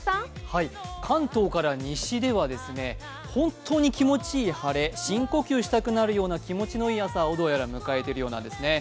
関東から西ではホントに気持ちいい晴れ、深呼吸したくなるような気持ちのいい朝をどうやら迎えているようなんですね。